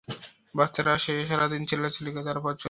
বাচ্চারা আসে সারাদিন চিল্লাচিল্লি করে, তারপর চলে যায়।